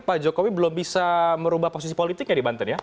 pak jokowi belum bisa merubah posisi politiknya di banten ya